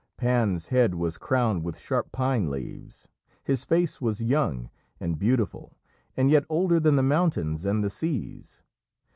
Pan's head was crowned with sharp pine leaves. His face was young and beautiful, and yet older than the mountains and the seas.